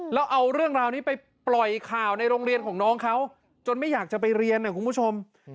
แล้วเอาเรื่องราวนี้ไปปล่อยข่าวในโรงเรียนของน้องเขาจนไม่อยากจะไปเรียนนะคุณผู้ชม